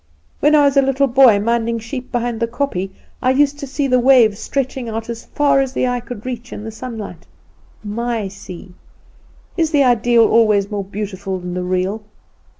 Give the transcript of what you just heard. When I was a little boy, minding sheep behind the kopje, I used to see the waves stretching out as far as the eye could reach in the sunlight. My sea! Is the idea always more beautiful than the real?